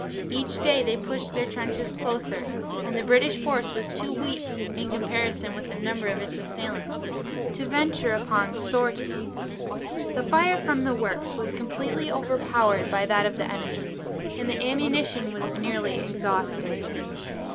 Each day they pushed their trenches closer, and the British force was too weak, in comparison with the number of its assailants, to venture upon sorties. The fire from the works was completely overpowered by that of the enemy, and the ammunition was nearly exhausted.